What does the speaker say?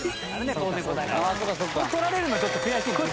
これ取られるのはちょっと悔しいもんね。